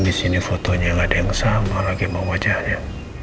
mana disini fotonya gaada yang sama lagi sama wajahnya